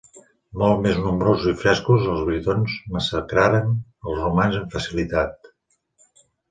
Molt més nombrosos i frescos, els Britons massacraren als romans amb facilitat.